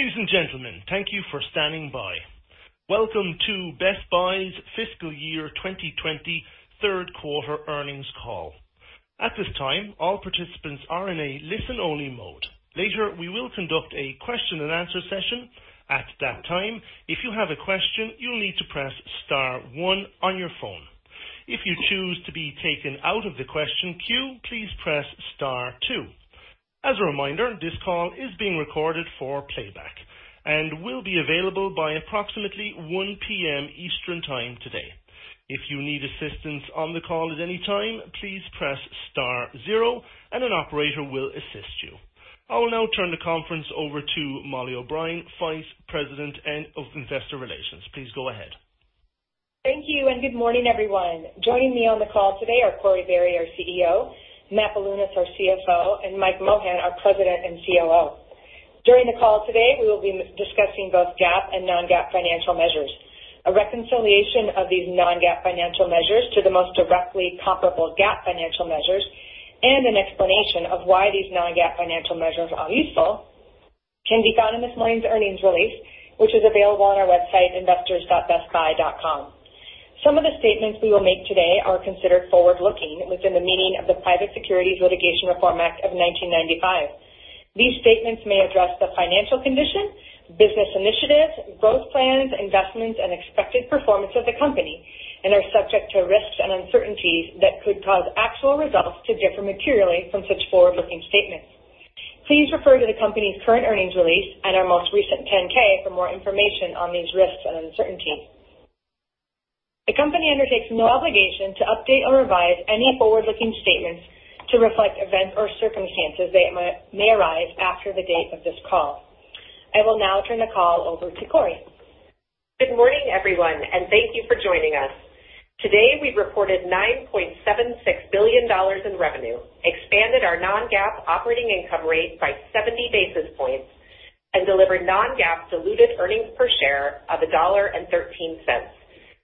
Ladies and gentlemen, thank you for standing by. Welcome to Best Buy's fiscal year 2020 third quarter earnings call. At this time, all participants are in a listen-only mode. Later, we will conduct a question and answer session. At that time, if you have a question, you'll need to press star one on your phone. If you choose to be taken out of the question queue, please press star two. As a reminder, this call is being recorded for playback and will be available by approximately 1:00 P.M. Eastern Time today. If you need assistance on the call at any time, please press star zero and an operator will assist you. I will now turn the conference over to Mollie O'Brien, Vice President, Investor Relations. Please go ahead. Thank you, and good morning, everyone. Joining me on the call today are Corie Barry, our CEO, Matt Bilunas, our CFO, and Mike Mohan, our president and COO. During the call today, we will be discussing both GAAP and non-GAAP financial measures. A reconciliation of these non-GAAP financial measures to the most directly comparable GAAP financial measures, and an explanation of why these non-GAAP financial measures are useful can be found in this morning's earnings release, which is available on our website, investors.bestbuy.com. Some of the statements we will make today are considered forward-looking within the meaning of the Private Securities Litigation Reform Act of 1995. These statements may address the financial condition, business initiatives, growth plans, investments, and expected performance of the company and are subject to risks and uncertainties that could cause actual results to differ materially from such forward-looking statements. Please refer to the company's current earnings release and our most recent 10-K for more information on these risks and uncertainties. The company undertakes no obligation to update or revise any forward-looking statements to reflect events or circumstances that may arise after the date of this call. I will now turn the call over to Corie. Good morning, everyone, and thank you for joining us. Today, we reported $9.76 billion in revenue, expanded our non-GAAP operating income rate by 70 basis points, and delivered non-GAAP diluted earnings per share of $1.13,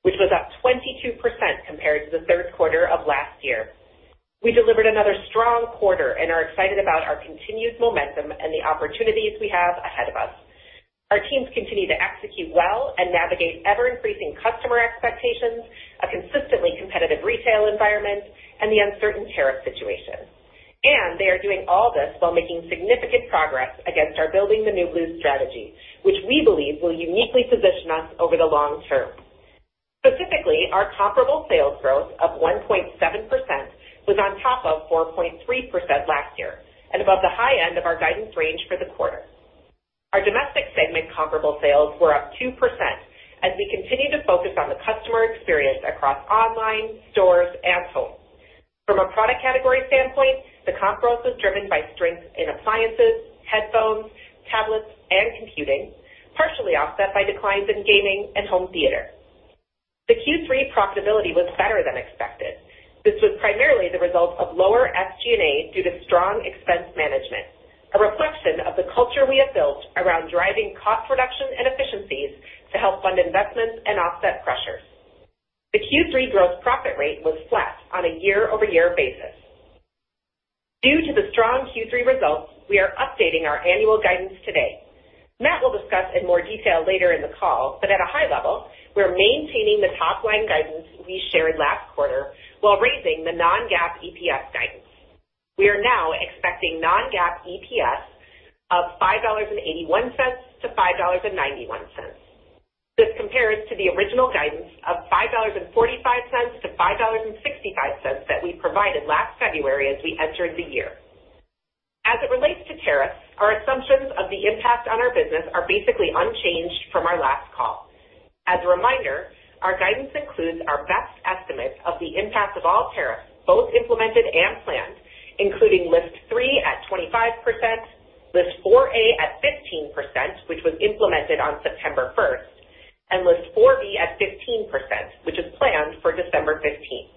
which was up 22% compared to the third quarter of last year. We delivered another strong quarter and are excited about our continued momentum and the opportunities we have ahead of us. Our teams continue to execute well and navigate ever-increasing customer expectations, a consistently competitive retail environment, and the uncertain tariff situation. They are doing all this while making significant progress against our Building the New Blue strategy, which we believe will uniquely position us over the long term. Specifically, our comparable sales growth of 1.7% was on top of 4.3% last year and above the high end of our guidance range for the quarter. Our domestic segment comparable sales were up 2% as we continue to focus on the customer experience across online, stores, and home. From a product category standpoint, the comp growth was driven by strength in appliances, headphones, tablets, and computing, partially offset by declines in gaming and home theater. The Q3 profitability was better than expected. This was primarily the result of lower SG&A due to strong expense management, a reflection of the culture we have built around driving cost reduction and efficiencies to help fund investments and offset pressures. The Q3 growth profit rate was flat on a year-over-year basis. Due to the strong Q3 results, we are updating our annual guidance today. Matt will discuss in more detail later in the call, but at a high level, we're maintaining the top-line guidance we shared last quarter while raising the non-GAAP EPS guidance. We are now expecting non-GAAP EPS of $5.81 to $5.91. This compares to the original guidance of $5.45 to $5.65 that we provided last February as we entered the year. As it relates to tariffs, our assumptions of the impact on our business are basically unchanged from our last call. As a reminder, our guidance includes our best estimates of the impact of all tariffs, both implemented and planned, including List 3 at 25%, List 4A at 15%, which was implemented on September 1st, and List 4B at 15%, which is planned for December 15th.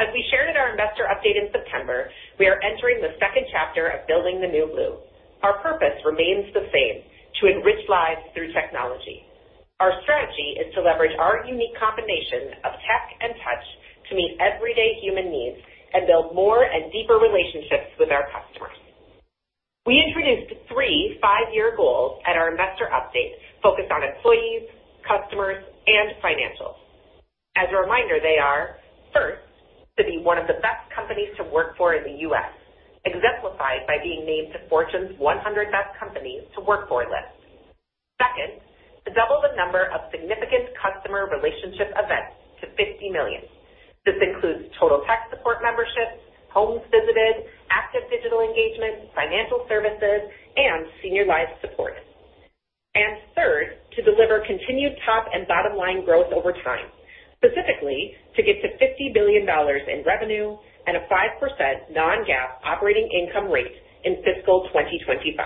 As we shared at our investor update in September, we are entering the second chapter of Building the New Blue. Our purpose remains the same, to enrich lives through technology. Our strategy is to leverage our unique combination of tech and touch to meet everyday human needs and build more and deeper relationships with our customers. We introduced three five-year goals at our investor update focused on employees, customers, and financials. As a reminder, they are, first, to be one of the best companies to work for in the U.S., exemplified by being named to Fortune's 100 Best Companies to Work For list. Second, to double the number of significant customer relationship events to 50 million. This includes Total Tech Support memberships, homes visited, active digital engagement, financial services, and Senior Life support. Third, to deliver continued top and bottom line growth over time, specifically to get to $50 billion in revenue and a 5% non-GAAP operating income rate in fiscal 2025.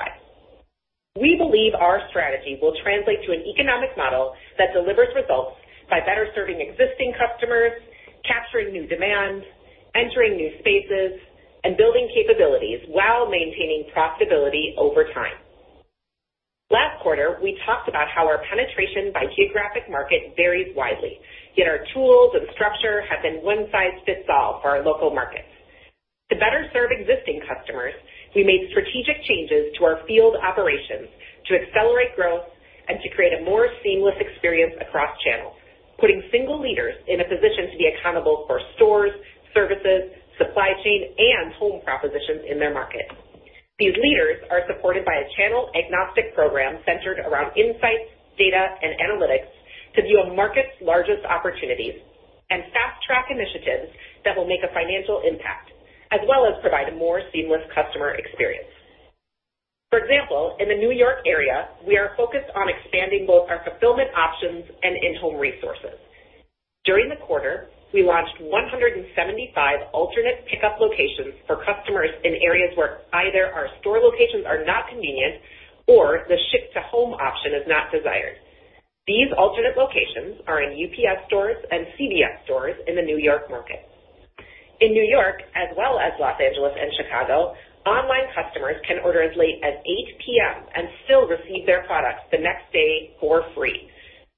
We believe our strategy will translate to an economic model that delivers results by better serving existing customers, capturing new demand, entering new spaces, and building capabilities while maintaining profitability over time. Last quarter, we talked about how our penetration by geographic market varies widely, yet our tools and structure have been one size fits all for our local markets. To better serve existing customers, we made strategic changes to our field operations to accelerate growth and to create a more seamless experience across channels, putting single leaders in a position to be accountable for stores, services, supply chain, and home propositions in their market. These leaders are supported by a channel-agnostic program centered around insights, data, and analytics to view a market's largest opportunities and fast-track initiatives that will make a financial impact, as well as provide a more seamless customer experience. For example, in the New York area, we are focused on expanding both our fulfillment options and in-home resources. During the quarter, we launched 175 alternate pickup locations for customers in areas where either our store locations are not convenient or the ship to home option is not desired. These alternate locations are in UPS stores and CVS stores in the New York market. In New York, as well as Los Angeles and Chicago, online customers can order as late as 8 P.M. and still receive their products the next day for free.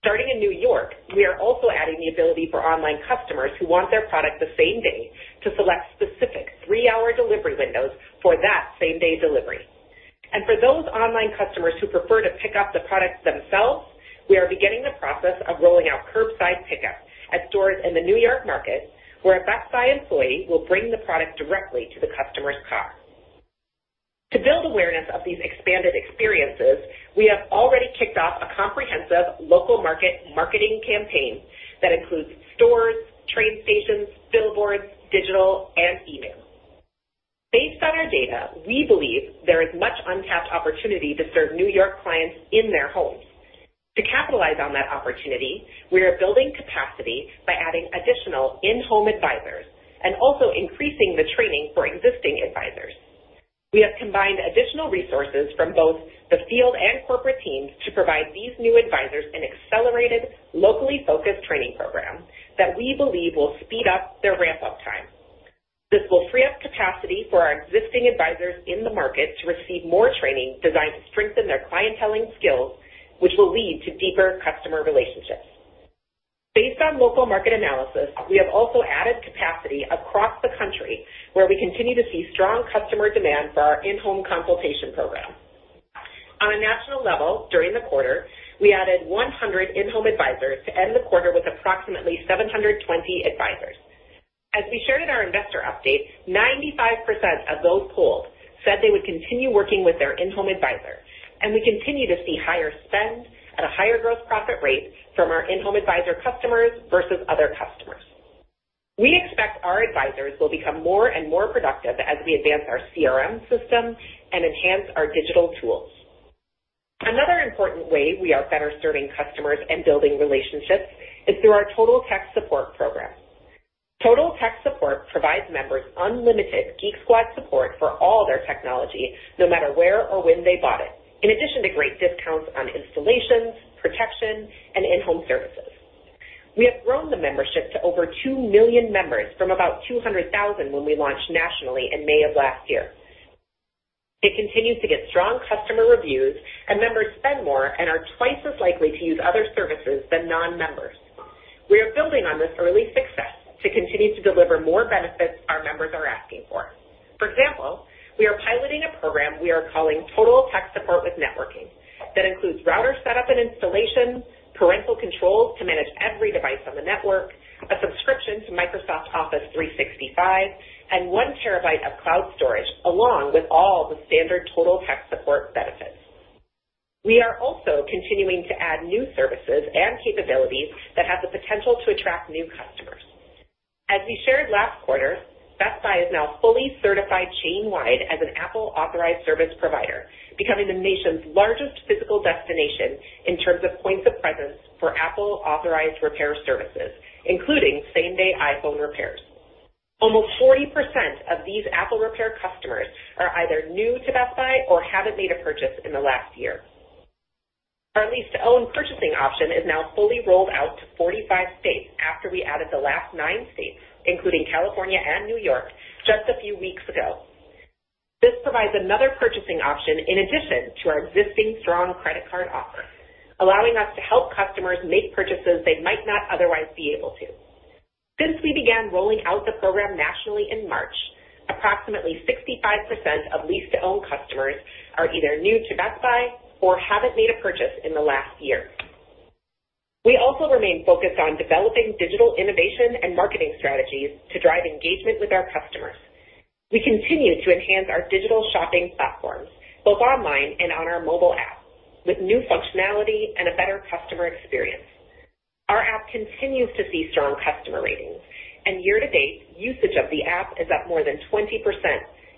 Starting in New York, we are also adding the ability for online customers who want their product the same day to select specific 3-hour delivery windows for that same-day delivery. For those online customers who prefer to pick up the products themselves, we are beginning the process of rolling out curbside pickup at stores in the New York market, where a Best Buy employee will bring the product directly to the customer's car. To build awareness of these expanded experiences, we have already kicked off a comprehensive local market marketing campaign that includes stores, train stations, billboards, digital, and email. Based on our data, we believe there is much untapped opportunity to serve New York clients in their homes. To capitalize on that opportunity, we are building capacity by adding additional in-home advisors and also increasing the training for existing advisors. We have combined additional resources from both the field and corporate teams to provide these new advisors an accelerated, locally-focused training program that we believe will speed up their ramp-up time. This will free up capacity for our existing advisors in the market to receive more training designed to strengthen their clienteling skills, which will lead to deeper customer relationships. Based on local market analysis, we have also added capacity across the country where we continue to see strong customer demand for our In-Home Consultation Program. On a national level, during the quarter, we added 100 in-home advisors to end the quarter with approximately 720 advisors. As we shared at our Investor Update, 95% of those polled said they would continue working with their in-home advisor, and we continue to see higher spend at a higher gross profit rate from our in-home advisor customers versus other customers. We expect our advisors will become more and more productive as we advance our CRM system and enhance our digital tools. Another important way we are better serving customers and building relationships is through our Total Tech Support program. Total Tech Support provides members unlimited Geek Squad support for all their technology, no matter where or when they bought it, in addition to great discounts on installations, protection, and in-home services. We have grown the membership to over 2 million members from about 200,000 when we launched nationally in May of last year. It continues to get strong customer reviews and members spend more and are twice as likely to use other services than non-members. We are building on this early success to continue to deliver more benefits our members are asking for. For example, we are piloting a program we are calling Total Tech Support with Networking that includes router setup and installation, parental controls to manage every device on the network, a subscription to Microsoft Office 365, and one terabyte of cloud storage, along with all the standard Total Tech Support benefits. We are also continuing to add new services and capabilities that have the potential to attract new customers. As we shared last quarter, Best Buy is now fully certified chain-wide as an Apple-authorized service provider, becoming the nation's largest physical destination in terms of points of presence for Apple-authorized repair services, including same-day iPhone repairs. Almost 40% of these Apple repair customers are either new to Best Buy or haven't made a purchase in the last year. Our lease-to-own purchasing option is now fully rolled out to 45 states after we added the last nine states, including California and New York, just a few weeks ago. This provides another purchasing option in addition to our existing strong credit card offer, allowing us to help customers make purchases they might not otherwise be able to. Since we began rolling out the program nationally in March, approximately 65% of lease-to-own customers are either new to Best Buy or haven't made a purchase in the last year. We also remain focused on developing digital innovation and marketing strategies to drive engagement with our customers. We continue to enhance our digital shopping platforms, both online and on our mobile app, with new functionality and a better customer experience. Our app continues to see strong customer ratings and year-to-date usage of the app is up more than 20%,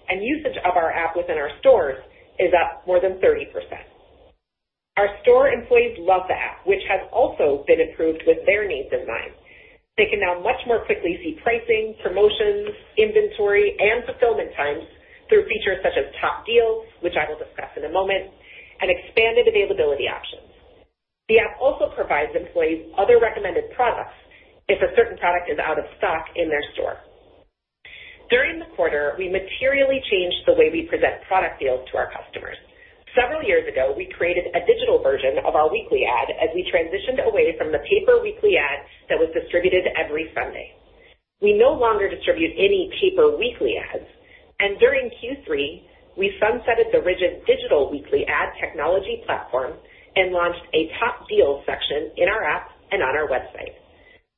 and usage of our app within our stores is up more than 30%. Our store employees love the app, which has also been improved with their needs in mind. They can now much more quickly see pricing, promotions, inventory, and fulfillment times through features such as top deals, which I will discuss in a moment, and expanded availability options. The app also provides employees other recommended products if a certain product is out of stock in their store. During the quarter, we materially changed the way we present product deals to our customers. Several years ago, we created a digital version of our weekly ad as we transitioned away from the paper weekly ad that was distributed every Sunday. We no longer distribute any paper weekly ads, and during Q3, we sunsetted the rigid digital weekly ad technology platform and launched a Top Deals section in our app and on our website.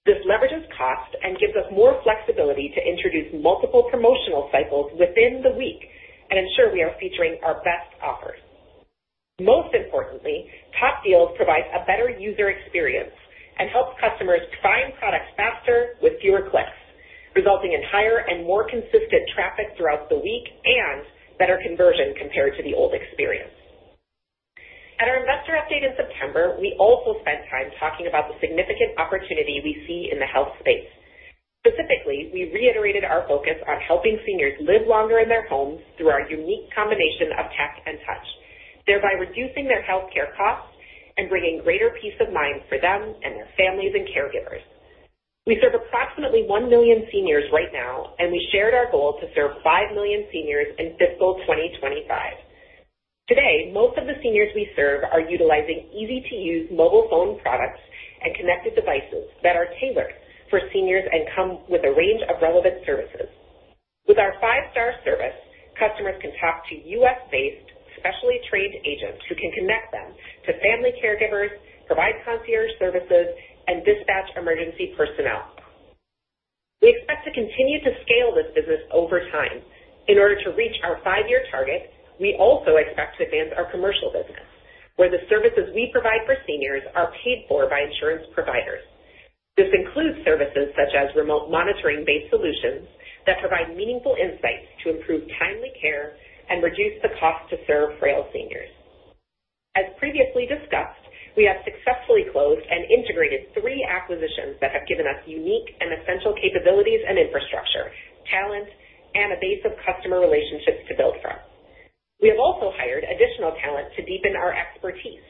This leverages cost and gives us more flexibility to introduce multiple promotional cycles within the week and ensure we are featuring our best offers. Most importantly, Top Deals provides a better user experience and helps customers find products faster with fewer clicks, resulting in higher and more consistent traffic throughout the week and better conversion compared to the old experience. At our investor update in September, we also spent time talking about the significant opportunity we see in the health space. Specifically, we reiterated our focus on helping seniors live longer in their homes through our unique combination of tech and touch, thereby reducing their healthcare costs and bringing greater peace of mind for them and their families and caregivers. We serve approximately 1 million seniors right now, and we shared our goal to serve 5 million seniors in fiscal 2025. Today, most of the seniors we serve are utilizing easy-to-use mobile phone products and connected devices that are tailored for seniors and come with a range of relevant services. With our 5-star service, customers can talk to U.S.-based, specially trained agents who can connect them to family caregivers, provide concierge services, and dispatch emergency personnel. We expect to continue to scale this business over time. In order to reach our five-year target, we also expect to advance our commercial business, where the services we provide for seniors are paid for by insurance providers. This includes services such as remote monitoring-based solutions that provide meaningful insights to improve timely care and reduce the cost to serve frail seniors. As previously discussed, we have successfully closed and integrated three acquisitions that have given us unique and essential capabilities and infrastructure, talent, and a base of customer relationships to build from. We have also hired additional talent to deepen our expertise.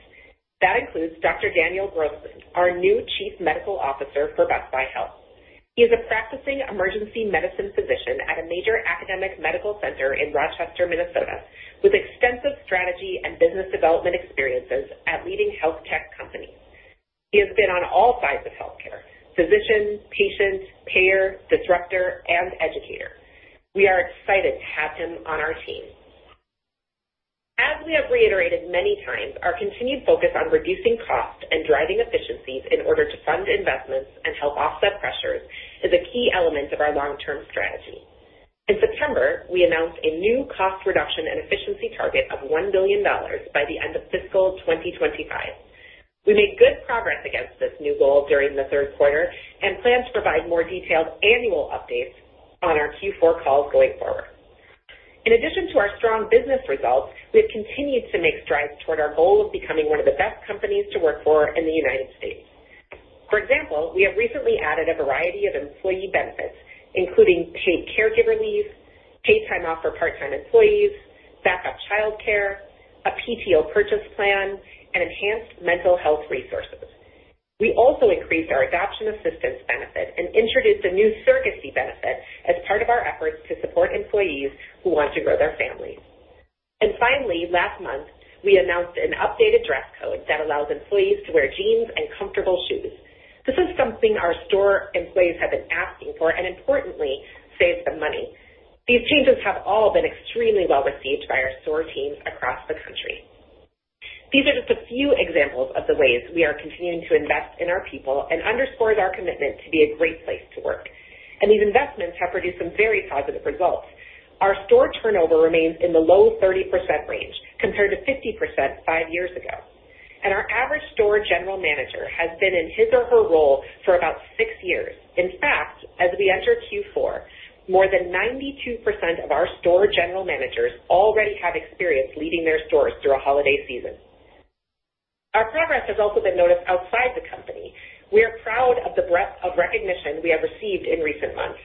That includes Dr. Daniel Grossman, our new Chief Medical Officer for Best Buy Health. He is a practicing emergency medicine physician at a major academic medical center in Rochester, Minnesota, with extensive strategy and business development experiences at leading health tech companies. He has been on all sides of healthcare, physician, patient, payer, disruptor, and educator. We are excited to have him on our team. As we have reiterated many times, our continued focus on reducing costs and driving efficiencies in order to fund investments and help offset pressures is a key element of our long-term strategy. In September, we announced a new cost reduction and efficiency target of $1 billion by the end of fiscal 2025. We made good progress against this new goal during the third quarter and plan to provide more detailed annual updates on our Q4 calls going forward. In addition to our strong business results, we have continued to make strides toward our goal of becoming one of the best companies to work for in the U.S. For example, we have recently added a variety of employee benefits, including paid caregiver leave, paid time off for part-time employees, backup childcare, a PTO purchase plan, and enhanced mental health resources. We also increased our adoption assistance benefit and introduced a new surrogacy benefit as part of our efforts to support employees who want to grow their families. Finally, last month, we announced an updated dress code that allows employees to wear jeans and comfortable shoes. This is something our store employees have been asking for and importantly, saves them money. These changes have all been extremely well-received by our store teams across the country. These are just a few examples of the ways we are continuing to invest in our people and underscores our commitment to be a great place to work. These investments have produced some very positive results. Our store turnover remains in the low 30% range, compared to 50% five years ago. Our average store general manager has been in his or her role for about six years. In fact, as we enter Q4, more than 92% of our store general managers already have experience leading their stores through a holiday season. Our progress has also been noticed outside the company. We are proud of the breadth of recognition we have received in recent months,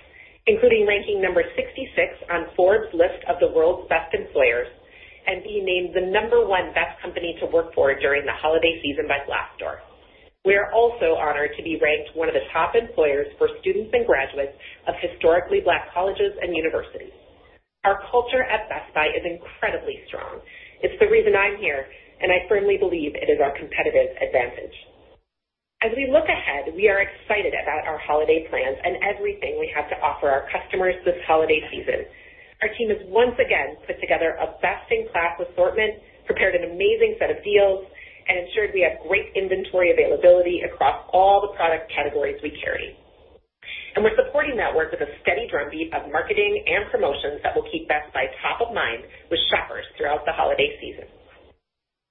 including ranking number 66 on Forbes' list of the world's best employers and being named the number one best company to work for during the holiday season by Glassdoor. We are also honored to be ranked one of the top employers for students and graduates of historically Black colleges and universities. Our culture at Best Buy is incredibly strong. It's the reason I'm here, and I firmly believe it is our competitive advantage. As we look ahead, we are excited about our holiday plans and everything we have to offer our customers this holiday season. Our team has once again put together a best-in-class assortment, prepared an amazing set of deals, and ensured we have great inventory availability across all the product categories we carry. We're supporting that work with a steady drumbeat of marketing and promotions that will keep Best Buy top of mind with shoppers throughout the holiday season.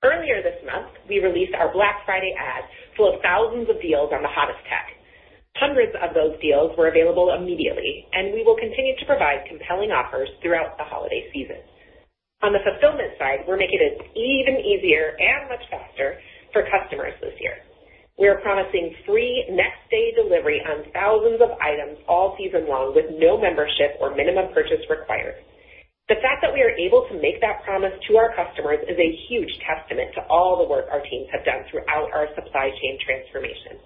Earlier this month, we released our Black Friday ad full of thousands of deals on the hottest tech. Hundreds of those deals were available immediately, and we will continue to provide compelling offers throughout the holiday season. On the fulfillment side, we're making it even easier and much faster for customers this year. We are promising free next-day delivery on thousands of items all season long with no membership or minimum purchase required. The fact that we are able to make that promise to our customers is a huge testament to all the work our teams have done throughout our supply chain transformation.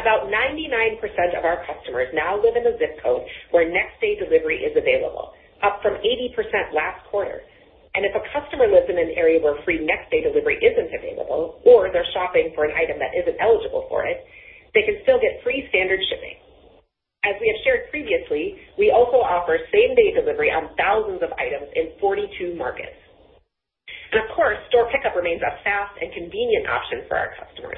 About 99% of our customers now live in a ZIP code where next-day delivery is available, up from 80% last quarter. If a customer lives in an area where free next-day delivery isn't available, or they're shopping for an item that isn't eligible for it, they can still get free standard shipping. As we have shared previously, we also offer same-day delivery on thousands of items in 42 markets. Of course, store pickup remains a fast and convenient option for our customers.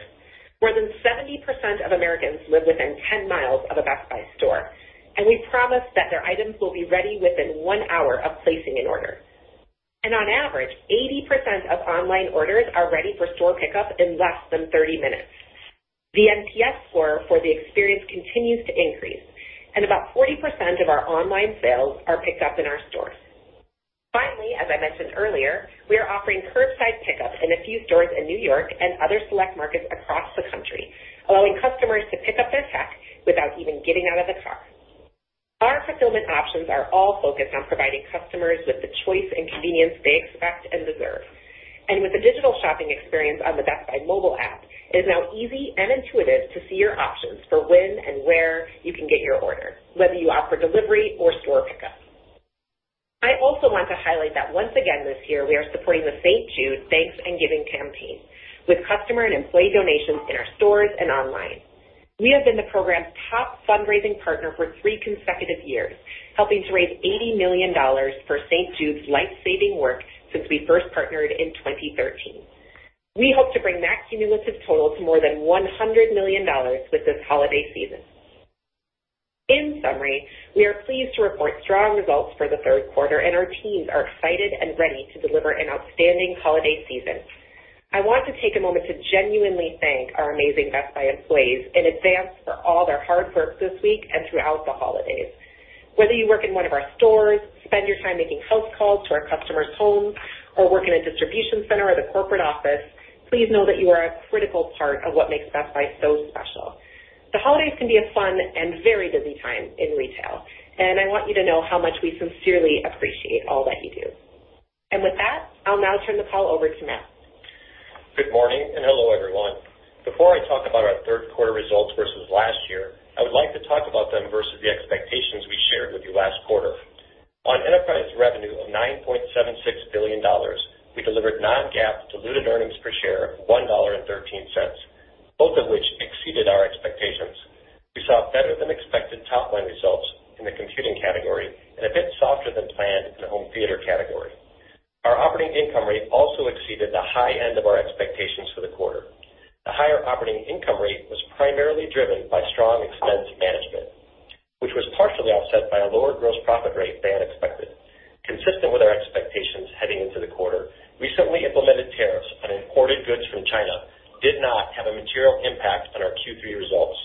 More than 70% of Americans live within 10 miles of a Best Buy store, and we promise that their items will be ready within one hour of placing an order. On average, 80% of online orders are ready for store pickup in less than 30 minutes. The NPS score for the experience continues to increase, and about 40% of our online sales are picked up in our stores. Finally, as I mentioned earlier, we are offering curbside pickup in a few stores in New York and other select markets across the country, allowing customers to pick up their tech without even getting out of the car. Our fulfillment options are all focused on providing customers with the choice and convenience they expect and deserve. With the digital shopping experience on the Best Buy mobile app, it is now easy and intuitive to see your options for when and where you can get your order, whether you opt for delivery or store pickup. I also want to highlight that once again this year, we are supporting the St. Jude Thanks and Giving campaign, with customer and employee donations in our stores and online. We have been the program's top fundraising partner for three consecutive years, helping to raise $80 million for St. Jude's life-saving work since we first partnered in 2013. We hope to bring that cumulative total to more than $100 million with this holiday season. In summary, we are pleased to report strong results for the third quarter, and our teams are excited and ready to deliver an outstanding holiday season. I want to take a moment to genuinely thank our amazing Best Buy employees in advance for all their hard work this week and throughout the holidays. Whether you work in one of our stores, spend your time making house calls to our customers' homes, or work in a distribution center or the corporate office, please know that you are a critical part of what makes Best Buy so special. I want you to know how much we sincerely appreciate all that you do. With that, I'll now turn the call over to Matt. Good morning and hello, everyone. Before I talk about our third quarter results versus last year, I would like to talk about them versus the expectations we shared with you last quarter. On enterprise revenue of $9.76 billion, we delivered non-GAAP diluted earnings per share of $1.13, both of which exceeded our expectations. We saw better-than-expected top-line results in the computing category and a bit softer than planned in the home theater category. Our operating income rate also exceeded the high end of our expectations for the quarter. The higher operating income rate was primarily driven by strong expense management, which was partially offset by a lower gross profit rate than expected. Consistent with our expectations heading into the quarter, recently implemented tariffs on imported goods from China did not have a material impact on our Q3 results.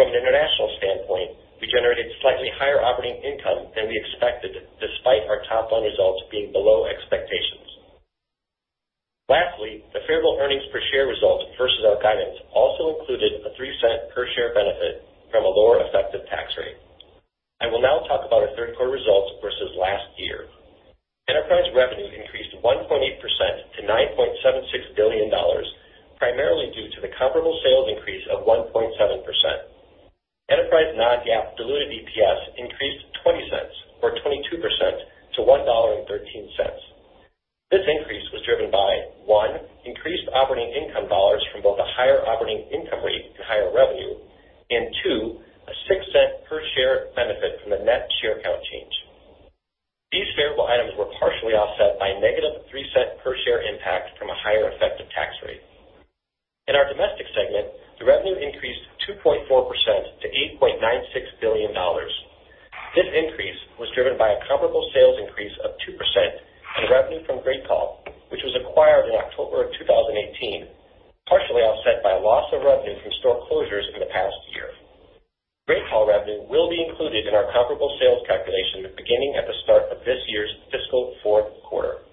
From an international standpoint, we generated slightly higher operating income than we expected, despite our top-line results being below expectations. Lastly, the favorable EPS results versus our guidance also included a $0.03 per share benefit from a lower effective tax rate. I will now talk about our third quarter results versus last year. Enterprise revenue increased 1.8% to $9.76 billion, primarily due to the comparable sales increase of 1.7%. Enterprise non-GAAP diluted EPS increased $0.20 or 22% to $1.13. This increase was driven by, one, increased operating income dollars from both a higher operating income rate and higher revenue and, two, a $0.06 per share benefit from the net share count change. These favorable items were partially offset by a negative $0.03 per share impact from a higher effective tax rate. In our domestic segment, the revenue increased 2.4% to $8.96 billion. This increase was driven by a comparable sales increase of 2% and revenue from GreatCall, which was acquired in October of 2018, partially offset by loss of revenue from store closures in the past year. GreatCall revenue will be included in our comparable sales calculation beginning at the start of this year's fiscal fourth quarter.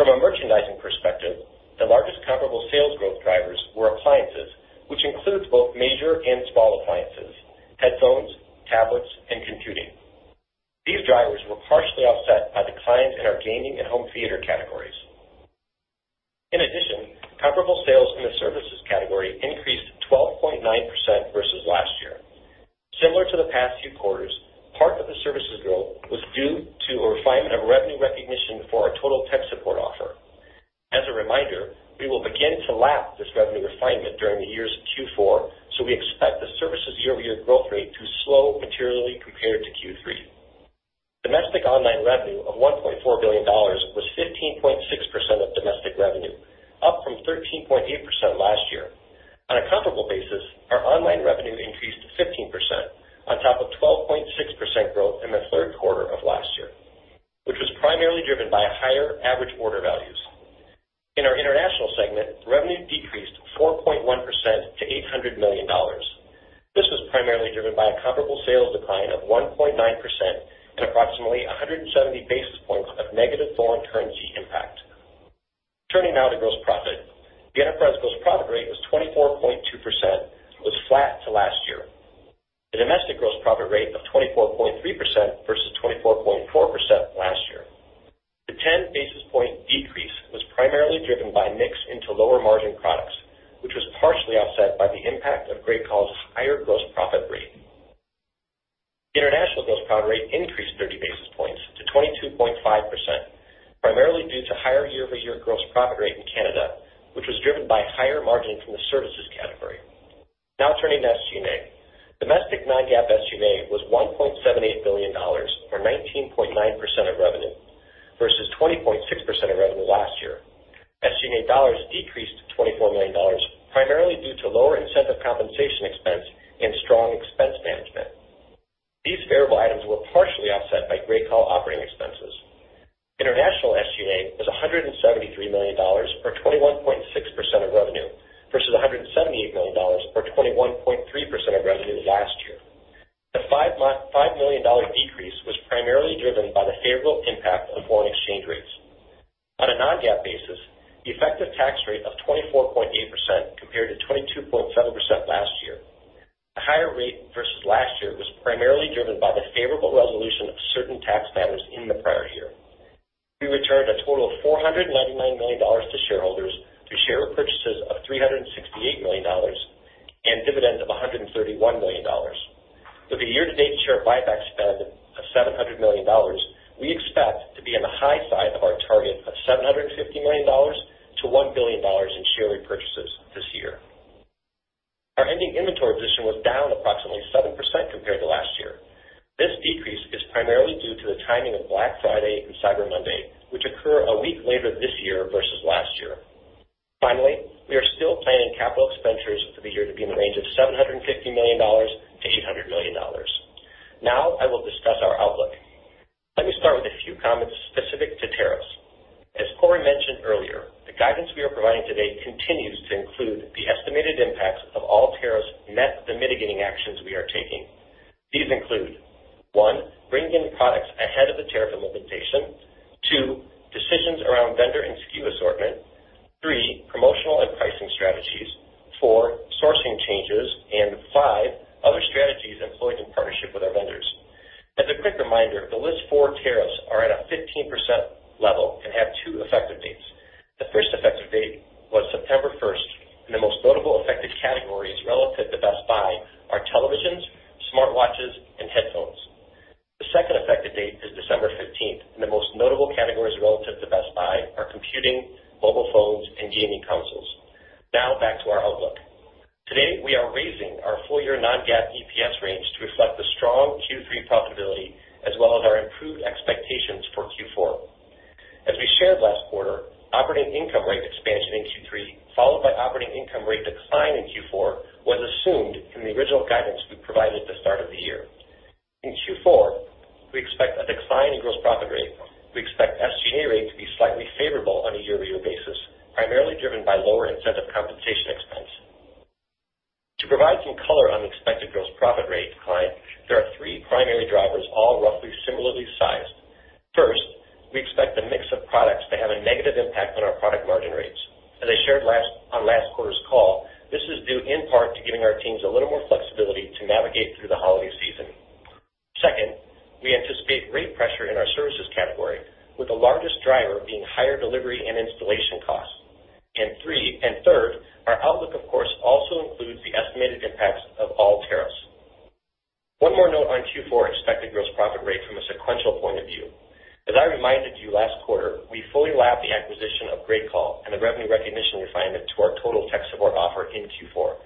From a merchandising perspective, the largest comparable sales growth drivers were appliances, which includes both major and small appliances, headphones, tablets, and computing. These drivers were partially offset by declines in our gaming and home theater categories. In addition, comparable sales in the services category increased 12.9% versus last year. Similar to the past few quarters, part of the services growth was due to a refinement of revenue recognition for our Total Tech Support offer. As a reminder, we will begin to lap this revenue refinement during the year's Q4, so we expect the services year-over-year growth rate to slow materially compared to Q3. Domestic online revenue of $1.4 billion was 15.6% of domestic revenue, up from 13.8% last year. On a comparable basis, our online revenue increased 15% on top of 12.6% growth in the third quarter of last year, which was primarily driven by higher average order values. In our international segment, revenue decreased 4.1% to $800 million. This was primarily driven by a comparable sales decline of 1.9% and approximately 170 basis points of negative foreign currency impact. Turning now to gross profit. The enterprise gross profit rate was 24.2%, which was flat to last year. The domestic gross profit rate of 24.3% versus 24.4% last year. The 10 basis point decrease was primarily driven by mix into lower margin products, which was partially offset by the impact of GreatCall's higher gross profit rate. International gross profit rate increased 30 basis points to 22.5%, primarily due to higher year-over-year gross profit rate in Canada, which was driven by higher margin from the services category. Turning to SG&A. Domestic non-GAAP SG&A was $1.78 billion, or 19.9% of revenue, versus 20.6% of revenue last year. SG&A dollars decreased to $24 million, primarily due to lower incentive compensation expense and strong expense management. These favorable items were partially offset by GreatCall operating expenses. International SG&A was $173 million, or 21.6% of revenue, versus $178 million, or 21.3% of revenue last year. The $5 million decrease was primarily driven by the favorable impact of foreign exchange rates. On a non-GAAP basis, the effective tax rate of 24.8% compared to 22.7% last year. The higher rate versus last year was primarily driven by the favorable resolution of certain tax matters in the prior year. We returned a total of $499 million to shareholders through share repurchases of $368 million and dividend of $131 million. With a year-to-date share buyback spend of $700 million, we expect to be on the high side of our target of $750 million-$1 billion in share repurchases this year. Our ending inventory position was down approximately 7% compared to last year. This decrease is primarily due to the timing of Black Friday and Cyber Monday, which occur a week later this year versus last year. Finally, we are still planning capital expenditures for the year to be in the range of $750 million-$800 million. I will discuss our outlook. Let me start with a few comments specific to tariffs. As Corie mentioned earlier, the guidance we are providing today continues to include the estimated impacts of all tariffs net the mitigating actions we are taking. These include, 1, bringing in products ahead of the tariff implementation, 2, decisions around vendor and SKU assortment, 3, promotional and pricing strategies, 4, sourcing changes, and 5, other strategies employed in partnership with our vendors. As a quick reminder, the List 4 tariffs are at a 15% level and have two effective dates. The first effective date was September 1st, and the most notable affected categories relative to Best Buy are televisions, smartwatches, and headphones. The second effective date is December 15th, and the most notable categories relative to Best Buy are computing, mobile phones, and gaming consoles. Now back to our outlook. Today, we are raising our full-year non-GAAP EPS range to reflect the strong Q3 profitability as well as our improved expectations for Q4. As we shared last quarter, operating income rate expansion in Q3, followed by operating income rate decline in Q4, was assumed in the original guidance we provided at the start of the year. In Q4, we expect a decline in gross profit rate. We expect SG&A rate to be slightly favorable on a year-over-year basis, primarily driven by lower incentive compensation expense. To provide some color on the expected gross profit rate decline, there are three primary drivers, all roughly similarly sized. First, we expect the mix of products to have a negative impact on our product margin rates. As I shared on last quarter's call, this is due in part to giving our teams a little more flexibility to navigate through the holiday season. Second, we anticipate rate pressure in our services category, with the largest driver being higher delivery and installation costs. Third, our outlook of course also includes the estimated impacts of all tariffs. One more note on Q4 expected gross profit rate from a sequential point of view. As I reminded you last quarter, we fully lapped the acquisition of GreatCall and the revenue recognition refinement to our Total Tech Support offer in Q4.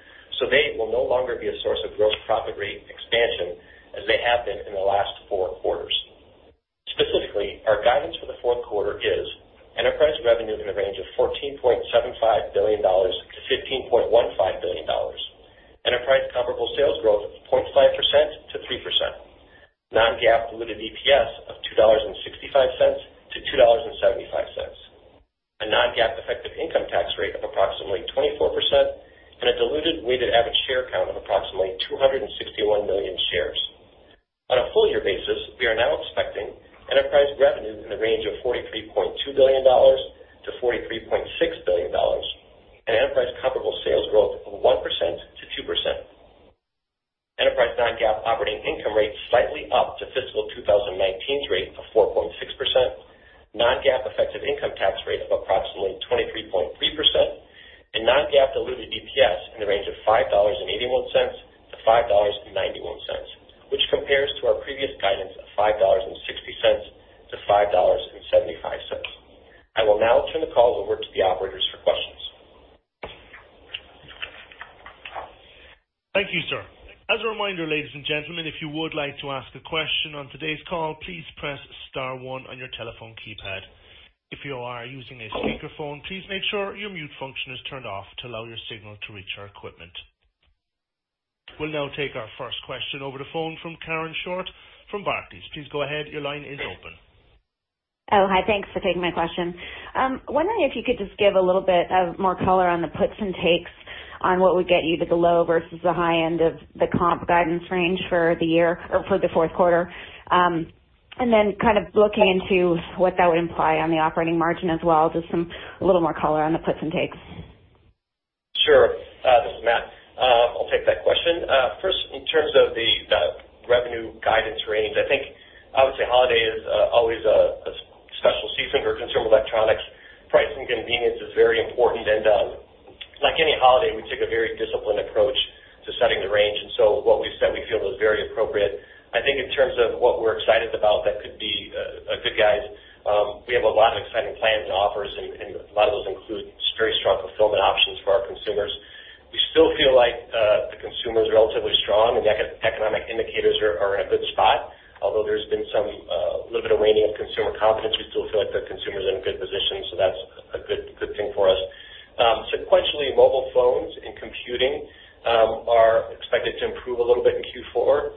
They will no longer be a source of gross profit rate expansion as they have been in the last four quarters. Specifically, our guidance for the fourth quarter is enterprise revenue in a range of $14.75 billion-$15.15 billion, enterprise comparable sales growth of 0.5%-3%, non-GAAP diluted EPS of $2.65-$2.75, a non-GAAP effective income tax rate of approximately 24%, and a diluted weighted average share count of approximately 261 million shares. On a full-year basis, we are now expecting enterprise revenue in the range of $43.2 billion-$43.6 billion and enterprise comparable sales growth of 1%-2%, enterprise non-GAAP operating income rate slightly up to fiscal 2019's rate of 4.6%, non-GAAP effective income tax rate of approximately 23.3%, and non-GAAP diluted EPS in the range of $5.81-$5.91, which compares to our previous guidance of $5.60-$5.75. I will now turn the call over to the operators for questions. Thank you, sir. As a reminder, ladies and gentlemen, if you would like to ask a question on today's call, please press star one on your telephone keypad. If you are using a speakerphone, please make sure your mute function is turned off to allow your signal to reach our equipment. We'll now take our first question over the phone from Karen Short from Barclays. Please go ahead. Your line is open. Oh, hi. Thanks for taking my question. Wondering if you could just give a little bit of more color on the puts and takes on what would get you to the low versus the high end of the comp guidance range for the fourth quarter. Then kind of looking into what that would imply on the operating margin as well, just a little more color on the puts and takes. Sure. This is Matt. I'll take that question. First, in terms of the revenue guidance range, I think I would say holiday is always a special season for consumer electronics. Price and convenience is very important, and like any holiday, we take a very disciplined approach to setting the range. So what we've set, we feel is very appropriate. I think in terms of what we're excited about, that could be a good guide. We have a lot of exciting plans and offers, a lot of those include very strong fulfillment options for our consumers. We still feel like the consumer is relatively strong and economic indicators are in a good spot, although there's been a little bit of waning of consumer confidence, we still feel like the consumer's in a good position, that's a good thing for us. Sequentially, mobile phones and computing are expected to improve a little bit in Q4.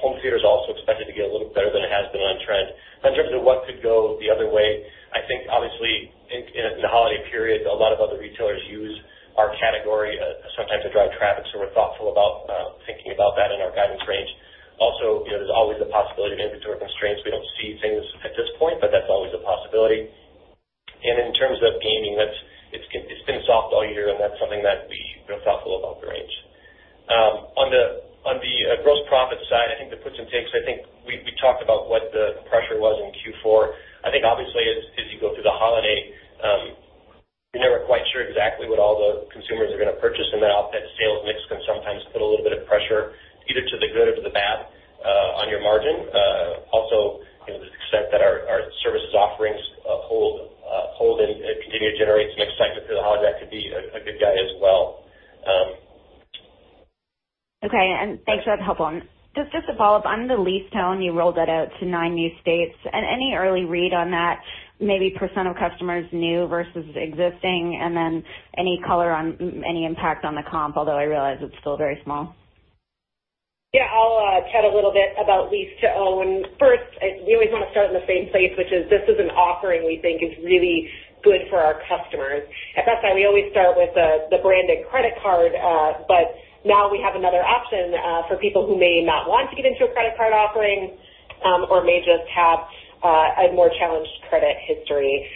Home theater is also expected to get a little better than it has been on trend. In terms of what could go the other way, I think obviously in the holiday period, a lot of other retailers use our category sometimes to drive traffic. We're thoughtful about thinking about that in our guidance range. Also, there's always a possibility of inventory constraints. We don't see things at this point, but that's always a possibility. In terms of gaming, it's been soft all year, and that's something that we are thoughtful about the range. On the gross profit side, I think the puts and takes, I think we talked about what the pressure was in Q4. I think obviously, as you go through the holiday, you're never quite sure exactly what all the consumers are going to purchase, and then oftentimes sales mix can sometimes put a little bit of pressure, either to the good or to the bad, on your margin. To the extent that our services offerings hold and continue to generate some excitement through the holiday, that could be a good guide as well. Okay. That's helpful. Just to follow up on the lease-to-own, you rolled that out to nine new states. Any early read on that, maybe % of customers new versus existing, and then any color on any impact on the comp, although I realize it's still very small. Yeah, I'll chat a little bit about lease to own. First, we always want to start in the same place, which is this is an offering we think is really good for our customers. At Best Buy, now we have another option for people who may not want to get into a credit card offering, or may just have a more challenged credit history.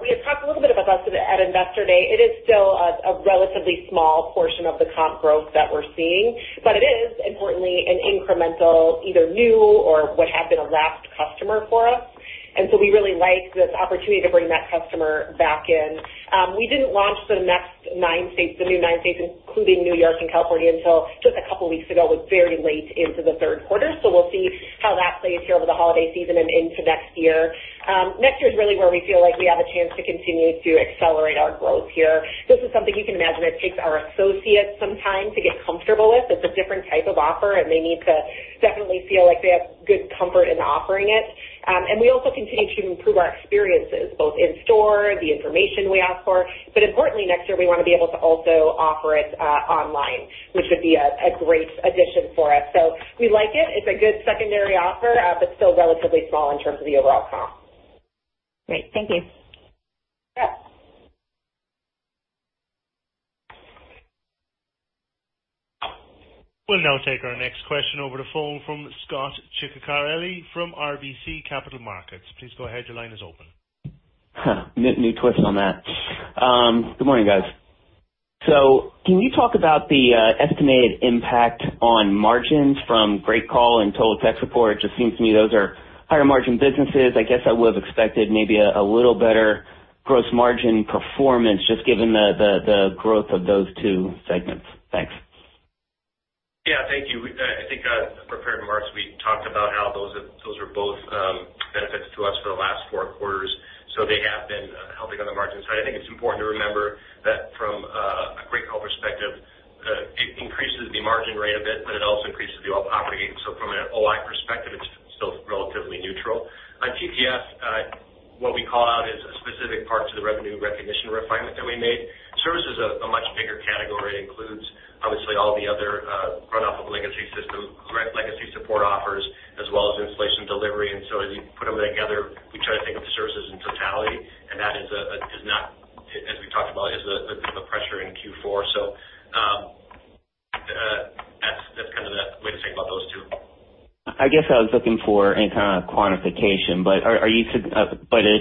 We had talked a little bit about this at Investor Day. It is still a relatively small portion of the comp growth that we're seeing, it is importantly an incremental, either new or what had been a lapsed customer for us. We really like the opportunity to bring that customer back in. We didn't launch the next nine states, the new nine states, including New York and California, until just a couple of weeks ago. It was very late into the third quarter. We'll see how that plays here over the holiday season and into next year. Next year is really where we feel like we have a chance to continue to accelerate our growth here. This is something you can imagine it takes our associates some time to get comfortable with. It's a different type of offer, and they need to definitely feel like they have good comfort in offering it. We also continue to improve our experiences, both in store, the information we offer. Importantly, next year, we want to be able to also offer it online, which would be a great addition for us. We like it. It's a good secondary offer, but still relatively small in terms of the overall comp. Great. Thank you. Yeah. We'll now take our next question over the phone from Scot Ciccarelli from RBC Capital Markets. Please go ahead. Your line is open. New twist on that. Good morning, guys. Can you talk about the estimated impact on margins from GreatCall and Total Tech Support? It just seems to me those are higher margin businesses. I guess I would have expected maybe a little better gross margin performance, just given the growth of those two segments. Thanks. Yeah. Thank you. I think prepared remarks, we talked about how those were both benefits to us for the last four quarters. They have been helping on the margin side. I think it's important to remember that from a GreatCall perspective, it increases the margin rate a bit, but it also increases the overall property. From an OI perspective, it's still relatively neutral. On TTS, what we call out is a specific part to the revenue recognition refinement that we made. Service is a much bigger category. It includes, obviously, all the other runoff of legacy system, legacy support offers, as well as installation delivery. As you put them together, we try to think of services in totality. That is not, as we talked about, is the pressure in Q4. That's kind of the way to think about those two. I guess I was looking for any kind of quantification, but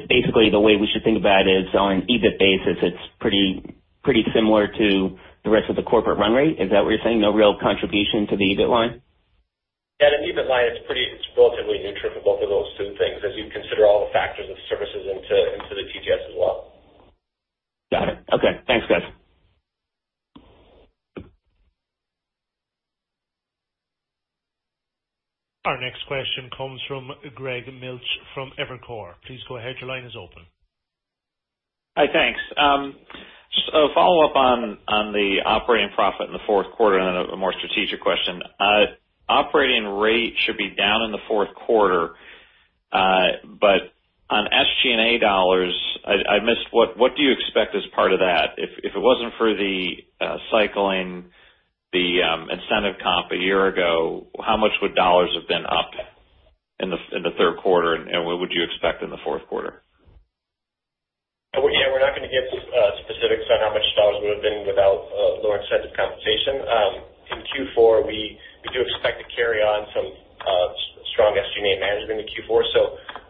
basically the way we should think about it is on EBIT basis, it's pretty similar to the rest of the corporate run rate. Is that what you're saying? No real contribution to the EBIT line. Yeah. The EBIT line, it's relatively neutral for both of those two things as you consider all the factors of services into the TTS as well. Got it. Okay. Thanks, guys. Our next question comes from Greg Melich from Evercore ISI. Please go ahead. Your line is open. Hi. Thanks. Just a follow-up on the operating profit in the fourth quarter, and then a more strategic question. Operating rate should be down in the fourth quarter. On SG&A dollars, I missed, what do you expect as part of that? If it wasn't for the cycling the incentive comp a year ago, how much would dollars have been up in the third quarter, and what would you expect in the fourth quarter? Yeah. We're not going to give specifics on how much dollars would have been without lower incentive compensation. In Q4, we do expect to carry on some. strong SG&A management in Q4.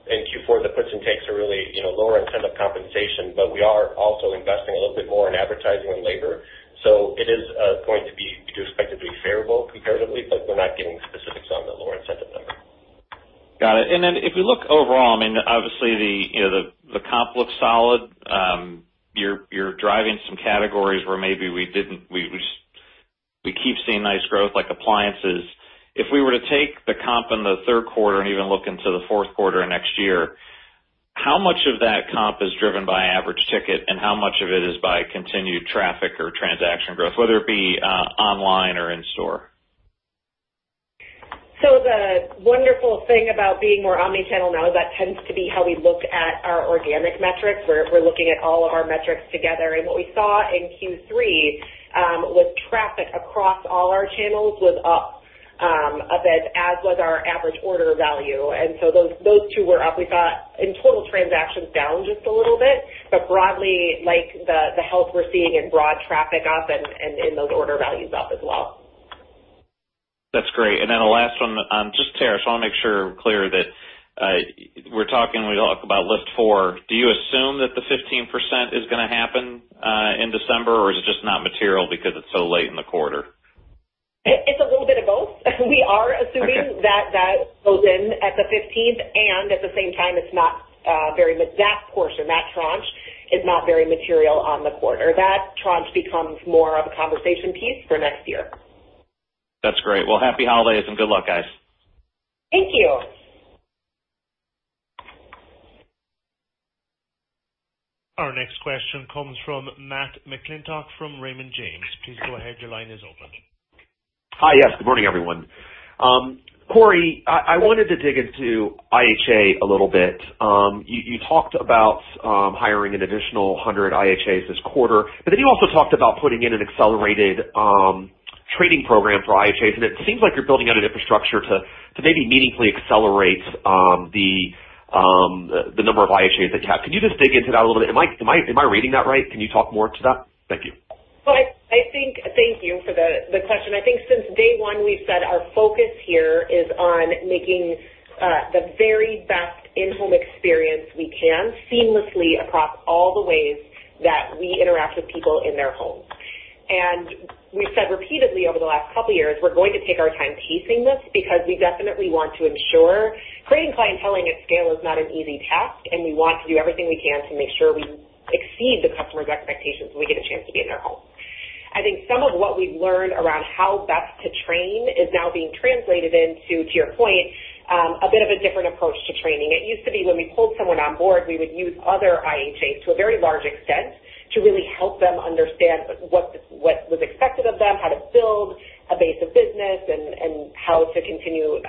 In Q4, the puts and takes are really lower incentive compensation, but we are also investing a little bit more in advertising and labor. It is going to be expected to be favorable comparatively, but we're not giving specifics on the lower incentive number. Got it. If we look overall, obviously the comp looks solid. You're driving some categories where maybe we keep seeing nice growth, like appliances. If we were to take the comp in the third quarter and even look into the fourth quarter next year, how much of that comp is driven by average ticket, and how much of it is by continued traffic or transaction growth, whether it be online or in-store? The wonderful thing about being more omni-channel now is that tends to be how we look at our organic metrics. We're looking at all of our metrics together. What we saw in Q3, was traffic across all our channels was up a bit, as was our average order value. Those two were up. We saw in total transactions down just a little bit, but broadly, the health we're seeing in broad traffic up and in those order values up as well. That's great. Then the last one, just Corie, so I'll make sure we're clear that when we talk about List 4, do you assume that the 15% is going to happen in December, or is it just not material because it's so late in the quarter? It's a little bit of both. We are assuming that goes in at the 15th, and at the same time, that portion, that tranche, is not very material on the quarter. That tranche becomes more of a conversation piece for next year. That's great. Well, Happy Holidays and good luck, guys. Thank you. Our next question comes from Matt McClintock from Raymond James. Please go ahead. Your line is open. Hi. Yes, good morning, everyone. Corie, I wanted to dig into IHA a little bit. You talked about hiring an additional 100 IHAs this quarter, you also talked about putting in an accelerated trading program for IHAs, and it seems like you're building out an infrastructure to maybe meaningfully accelerate the number of IHAs that you have. Can you just dig into that a little bit? Am I reading that right? Can you talk more to that? Thank you. Thank you for the question. I think since day one, we've said our focus here is on making the very best in-home experience we can seamlessly across all the ways that we interact with people in their homes. We've said repeatedly over the last couple of years, we're going to take our time pacing this because we definitely want to ensure creating clientele at scale is not an easy task, and we want to do everything we can to make sure we exceed the customer's expectations when we get a chance to be in their home. I think some of what we've learned around how best to train is now being translated into, to your point, a bit of a different approach to training. It used to be when we pulled someone on board, we would use other IHAs to a very large extent to really help them understand what was expected of them, how to build a base of business, and how to continue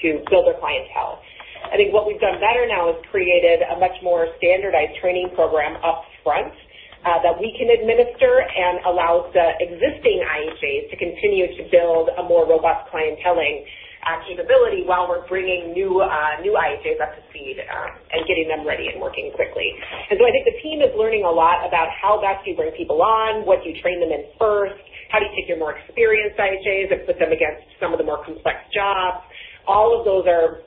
to build their clientele. I think what we've done better now is created a much more standardized training program upfront that we can administer and allows the existing IHAs to continue to build a more robust clientele capability while we're bringing new IHAs up to speed and getting them ready and working quickly. I think the team is learning a lot about how best to bring people on, what do you train them in first, how do you take your more experienced IHAs and put them against some of the more complex jobs. All of those are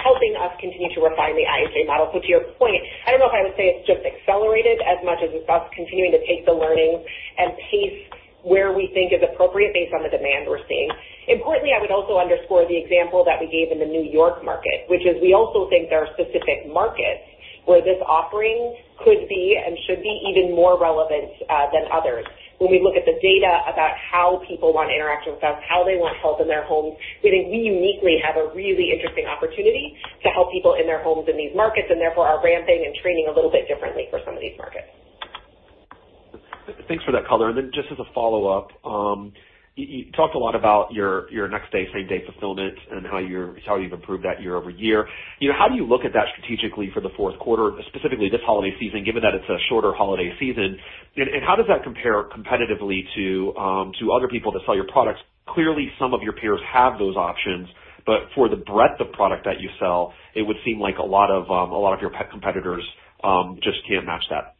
helping us continue to refine the IHA model. To your point, I don't know if I would say it's just accelerated as much as it's us continuing to take the learnings and pace where we think is appropriate based on the demand we're seeing. Importantly, I would also underscore the example that we gave in the New York market, which is we also think there are specific markets where this offering could be and should be even more relevant than others. When we look at the data about how people want to interact with us, how they want help in their homes, we think we uniquely have a really interesting opportunity to help people in their homes in these markets, and therefore are ramping and training a little bit differently for some of these markets. Thanks for that color. Just as a follow-up, you talked a lot about your next day, same day fulfillment and how you've improved that year-over-year. How do you look at that strategically for the fourth quarter, specifically this holiday season, given that it's a shorter holiday season? How does that compare competitively to other people that sell your products? Clearly, some of your peers have those options, but for the breadth of product that you sell, it would seem like a lot of your competitors just can't match that.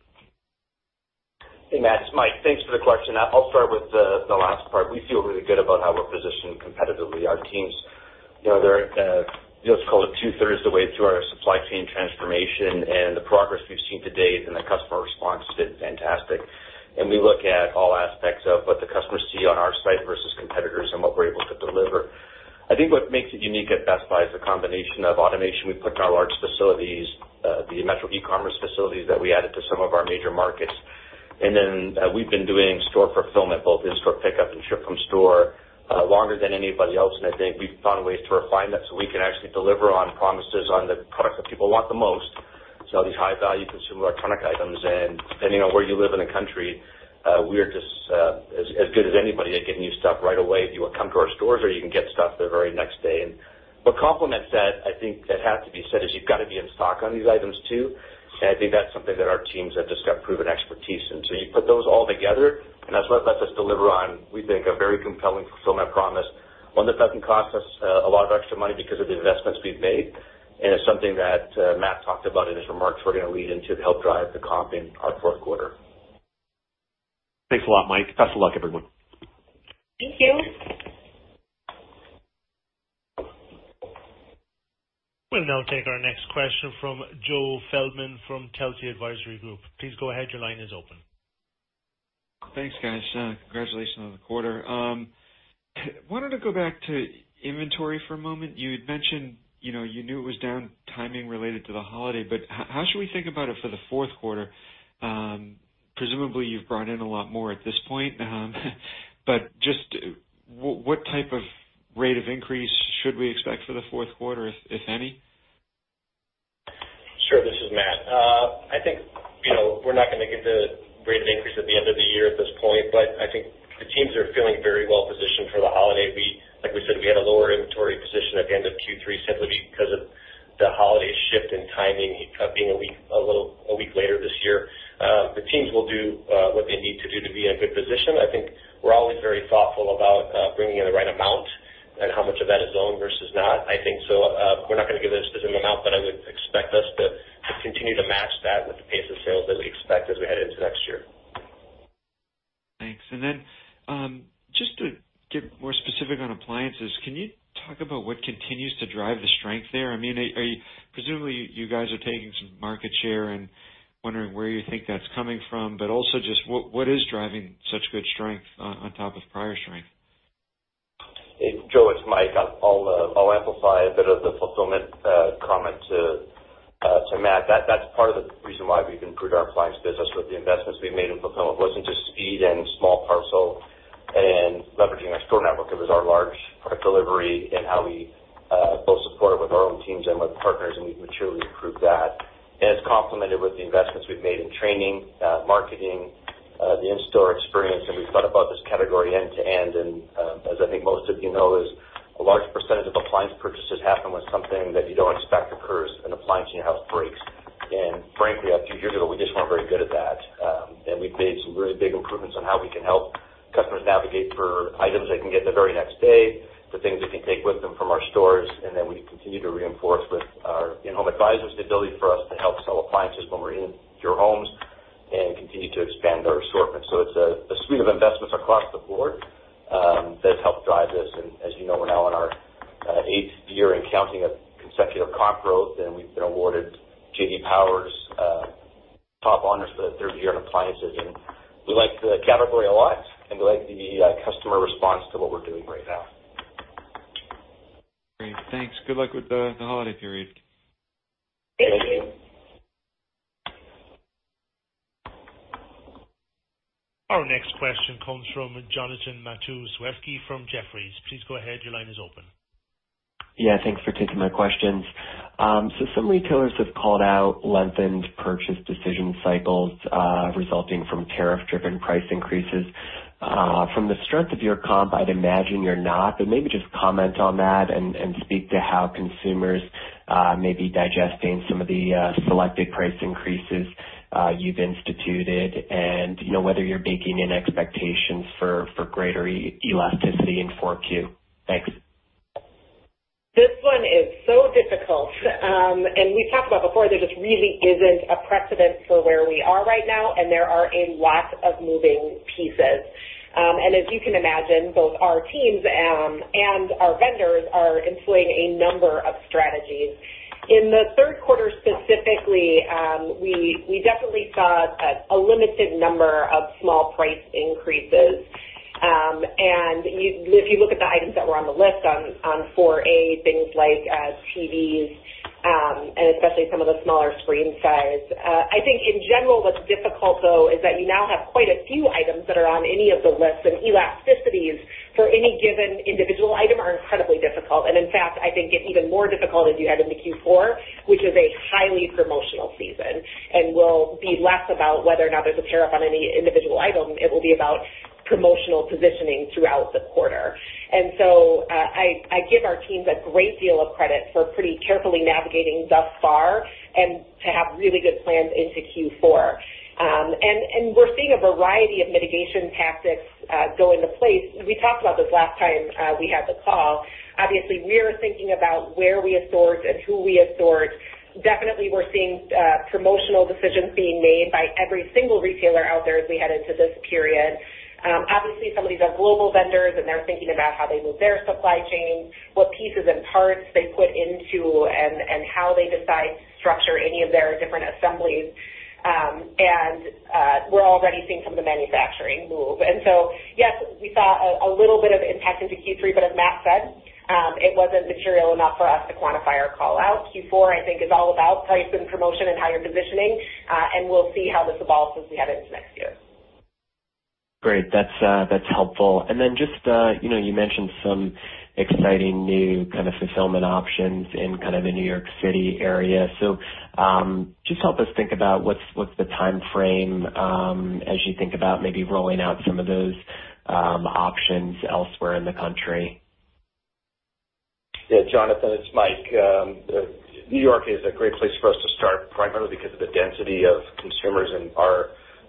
Hey, Matt, it's Mike. Thanks for the question. I'll start with the last part. We feel really good about how we're positioned competitively. Our teams, they're just call it two-thirds of the way through our supply chain transformation and the progress we've seen to date and the customer response to it fantastic. We look at all aspects of what the customers see on our site versus competitors and what we're able to deliver. I think what makes it unique at Best Buy is the combination of automation we put in our large facilities, the metro e-commerce facilities that we added to some of our major markets. We've been doing store fulfillment, both in-store pickup and ship from store longer than anybody else, and I think we've found ways to refine that so we can actually deliver on promises on the products that people want the most. These high-value consumer electronic items, and depending on where you live in the country, we are just as good as anybody at getting you stuff right away if you come to our stores or you can get stuff the very next day. What complements that, I think that has to be said, is you've got to be in stock on these items, too. I think that's something that our teams have just got proven expertise in. You put those all together, and that's what lets us deliver on, we think, a very compelling fulfillment promise. One that doesn't cost us a lot of extra money because of the investments we've made, and it's something that Matt talked about in his remarks we're going to lead into to help drive the comp in our fourth quarter. Thanks a lot, Mike. Best of luck, everyone. Thank you. We'll now take our next question from Joe Feldman from Telsey Advisory Group. Please go ahead. Your line is open. Thanks, guys. Congratulations on the quarter. Wanted to go back to inventory for a moment. You had mentioned you knew it was down timing related to the holiday, how should we think about it for the fourth quarter? Presumably, you've brought in a lot more at this point, just what type of rate of increase should we expect for the fourth quarter, if any? Sure. This is Matt. I think we're not going to get the rate of increase at the end of the year at this point, but I think the teams are feeling very well-positioned for the holiday. Like we said, we had a lower inventory position at the end of Q3 simply because of the holiday shift and timing of being a week later this year. The teams will do what they need to do to be in a good position. I think we're always very thoughtful about bringing in the right amount and how much of that is owned versus not. I think we're not going to give a specific amount, but I would expect us to continue to match that with the pace of sales that we expect as we head into next year. Thanks. Then, just to get more specific on appliances, can you talk about what continues to drive the strength there? Presumably, you guys are taking some market share and wondering where you think that's coming from, but also just what is driving such good strength on top of prior strength? Joe, it's Mike. I'll amplify a bit of the fulfillment comment to Matt. That's part of the reason why we've improved our appliance business with the investments we've made in fulfillment. It wasn't just speed and small parcel and leveraging our store network. It was our large product delivery and how we both support it with our own teams and with partners, and we've materially improved that. It's complemented with the investments we've made in training, marketing, the in-store experience, and we've thought about this category end to end, and as I think most of you know, is a large percentage of appliance purchases happen when something that you don't expect occurs, an appliance in your house breaks. Frankly, a few years ago, we just weren't very good at that. We've made some really big improvements on how we can help customers navigate for items they can get the very next day, the things they can take with them from our stores, and then we continue to reinforce with our in-home advisors the ability for us to help sell appliances when we're in your homes and continue to expand our assortment. It's a suite of investments across the board that's helped drive this. As you know, we're now in our eighth year and counting of consecutive comp growth, and we've been awarded J.D. Power top honors for the third year in appliances. We like the category a lot, and we like the customer response to what we're doing right now. Great. Thanks. Good luck with the holiday period. Thank you. Thank you. Our next question comes from Jonathan Matuszewski from Jefferies. Please go ahead. Your line is open. Thanks for taking my questions. Some retailers have called out lengthened purchase decision cycles resulting from tariff-driven price increases. From the strength of your comp, I'd imagine you're not, but maybe just comment on that and speak to how consumers may be digesting some of the selected price increases you've instituted and whether you're baking in expectations for greater elasticity in 4Q. Thanks. This one is so difficult. We've talked about before, there just really isn't a precedent for where we are right now, and there are a lot of moving pieces. As you can imagine, both our teams and our vendors are employing a number of strategies. In the third quarter specifically, we definitely saw a limited number of small price increases. If you look at the items that were on the List 4A, things like TVs, and especially some of the smaller screen size. I think, in general, what's difficult, though, is that you now have quite a few items that are on any of the lists, and elasticities for any given individual item are incredibly difficult. In fact, I think it's even more difficult as you head into Q4, which is a highly promotional season and will be less about whether or not there's a tariff on any individual item. It will be about promotional positioning throughout the quarter. So I give our teams a great deal of credit for pretty carefully navigating thus far and to have really good plans into Q4. We're seeing a variety of mitigation tactics go into place. We talked about this last time we had the call. Obviously, we are thinking about where we assort and who we assort. Definitely, we're seeing promotional decisions being made by every single retailer out there as we head into this period. Obviously, some of these are global vendors. They're thinking about how they move their supply chain, what pieces and parts they put into and how they decide to structure any of their different assemblies. We're already seeing some of the manufacturing move. Yes, we saw a little bit of impact into Q3, but as Matt said, it wasn't material enough for us to quantify our call-out. Q4, I think is all about price and promotion and how you're positioning. We'll see how this evolves as we head into next year. Great. That's helpful. You mentioned some exciting new fulfillment options in the New York City area. Just help us think about what's the timeframe as you think about maybe rolling out some of those options elsewhere in the country. Jonathan, it's Mike. New York is a great place for us to start, primarily because of the density of consumers and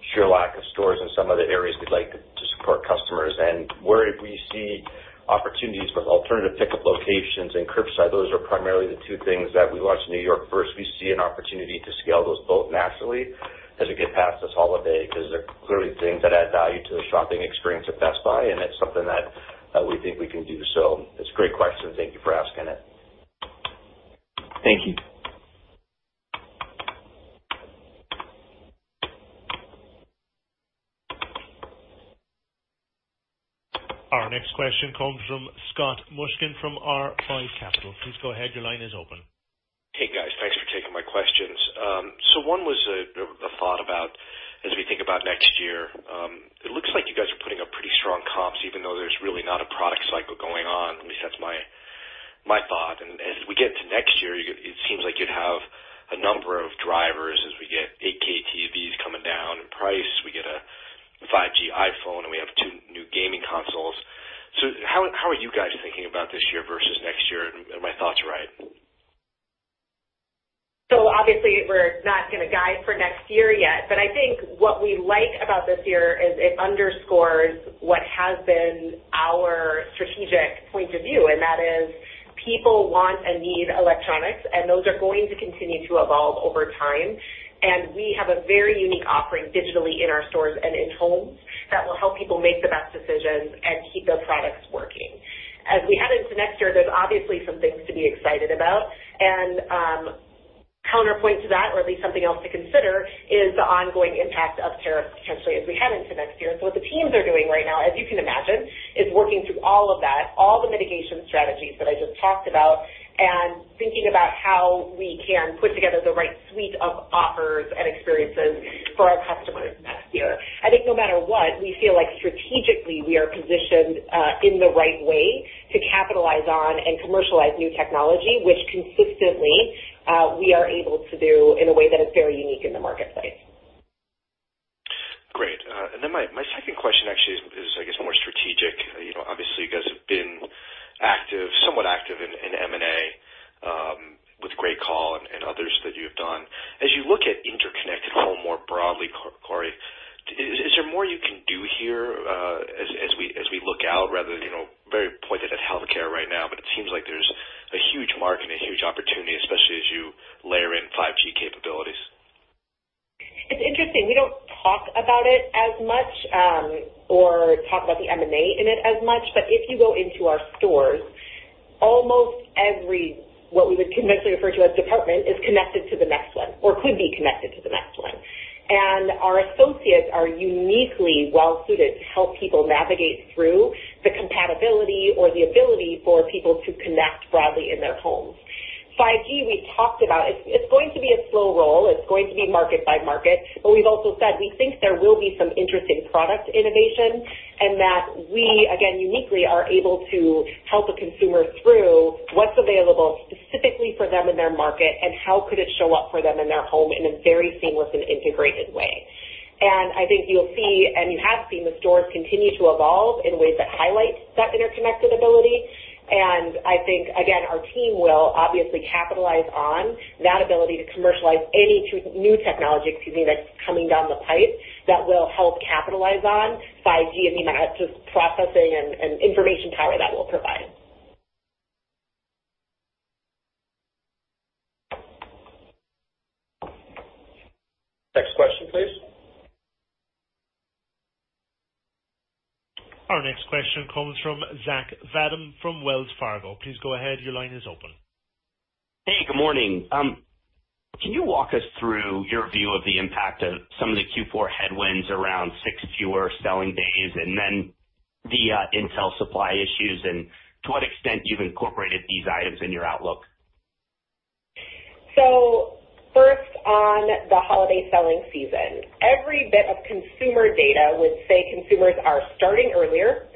our sheer lack of stores in some of the areas we'd like to support customers and where we see opportunities for alternative pickup locations and curbside, those are primarily the two things that we watch New York first. We see an opportunity to scale those both nationally as we get past this holiday, because they're clearly things that add value to the shopping experience at Best Buy, and it's something that we think we can do. It's a great question. Thank you for asking it. Thank you. Our next question comes from Scott Mushkin from R5 Capital. Please go ahead. Your line is open. Hey, guys. Thanks for taking my questions. One was a thought about, as we think about next year, it looks like you guys are putting up pretty strong comps even though there's really not a product cycle going on. At least that's my thought. As we get to next year, it seems like you'd have a number of drivers as we get 8K TVs coming down in price, we get a 5G iPhone, and we have two new gaming consoles. How are you guys thinking about this year versus next year? Are my thoughts right? Obviously we're not going to guide for next year yet, but I think what we like about this year is it underscores what has been our strategic point of view, and that is people want and need electronics, and those are going to continue to evolve over time. We have a very unique offering digitally in our stores and in homes that will help people make the best decisions and keep those products working. As we head into next year, there's obviously some things to be excited about and, counterpoint to that, or at least something else to consider, is the ongoing impact of tariffs potentially as we head into next year. What the teams are doing right now, as you can imagine, is working through all of that, all the mitigation strategies that I just talked about, and thinking about how we can put together the right suite of offers and experiences for our customers next year. I think no matter what, we feel like strategically we are positioned in the right way to capitalize on and commercialize new technology, which consistently we are able to do in a way that is very unique in the marketplace. Great. My second question actually is I guess more strategic. Obviously you guys have been somewhat active in M&A, with GreatCall and others that you have done. As you look at interconnected home more broadly, Corie, is there more you can do here as we look out rather than very pointed at healthcare right now, but it seems like there's a huge market and a huge opportunity, especially as you layer in 5G capabilities. It's interesting. We don't talk about it as much or talk about the M&A in it as much, but if you go into our stores, almost every, what we would conventionally refer to as department, is connected to the next one or could be connected to the next one. Our associates are uniquely well-suited to help people navigate through the compatibility or the ability for people to connect broadly in their homes. 5G, we talked about, it's going to be a slow roll. It's going to be market by market, but we've also said we think there will be some interesting product innovation, and that we, again, uniquely are able to help a consumer through what's available specifically for them in their market and how could it show up for them in their home in a very seamless and integrated way. I think you'll see, and you have seen, the stores continue to evolve in ways that highlight that interconnected ability. I think, again, our team will obviously capitalize on that ability to commercialize any new technology, excuse me, that's coming down the pipe that will help capitalize on 5G and the amount of processing and information power that will provide. Next question, please. Our next question comes from Zach Fadem from Wells Fargo. Please go ahead. Your line is open. Hey, good morning. Can you walk us through your view of the impact of some of the Q4 headwinds around six fewer selling days and then the Intel supply issues and to what extent you've incorporated these items in your outlook? First on the holiday selling season. Every bit of consumer data would say consumers are starting earlier,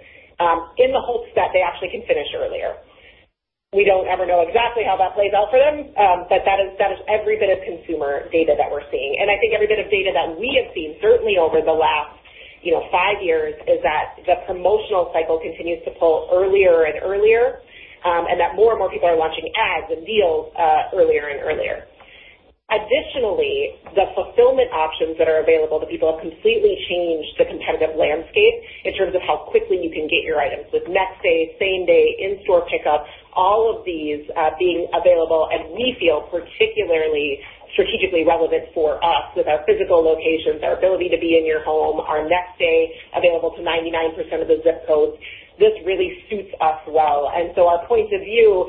in the hopes that they actually can finish earlier. We don't ever know exactly how that plays out for them, but that is every bit of consumer data that we're seeing. I think every bit of data that we have seen, certainly over the last five years, is that the promotional cycle continues to pull earlier and earlier, and that more and more people are launching ads and deals earlier and earlier. Additionally, the fulfillment options that are available to people have completely changed the competitive landscape in terms of how quickly you can get your items with next day, same day, in-store pickup, all of these being available and we feel particularly strategically relevant for us with our physical locations, our ability to be in your home, our next day available to 99% of the ZIP codes. This really suits us well. Our point of view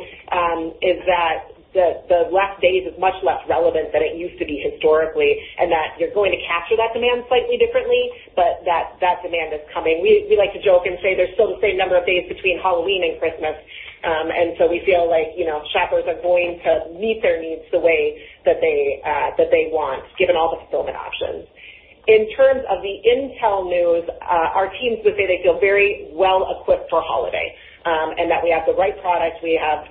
is that the last days is much less relevant than it used to be historically, and that you're going to capture that demand slightly differently, but that demand is coming. We like to joke and say there's still the same number of days between Halloween and Christmas, and so we feel like shoppers are going to meet their needs the way that they want given all the fulfillment options. In terms of the Intel news, our teams would say they feel very well-equipped for holiday, and that we have the right products.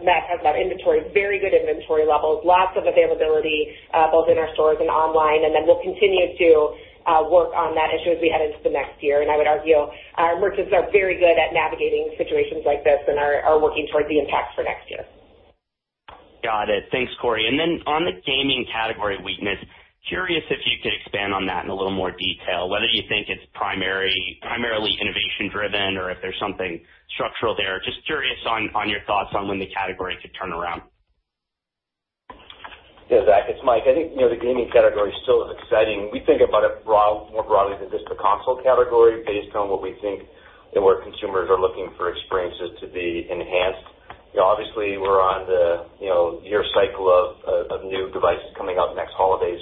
Matt has got inventory, very good inventory levels, lots of availability both in our stores and online, then we'll continue to work on that issue as we head into the next year. I would argue our merchants are very good at navigating situations like this and are working towards the impact for next year. Got it. Thanks, Corie. On the gaming category weakness, curious if you could expand on that in a little more detail, whether you think it's primarily innovation-driven or if there's something structural there? Just curious on your thoughts on when the category could turn around? Yeah, Zach, it's Mike. I think the gaming category still is exciting. We think about it more broadly than just the console category based on what we think and where consumers are looking for experiences to be enhanced. Obviously, we're on the year cycle of new devices coming out next holiday.